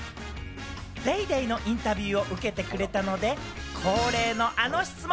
『ＤａｙＤａｙ．』のインタビューを受けてくれたので、恒例のあの質問。